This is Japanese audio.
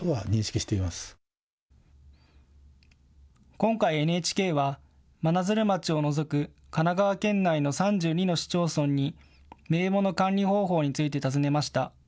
今回、ＮＨＫは真鶴町を除く神奈川県内の３２の市町村に名簿の管理方法について尋ねました。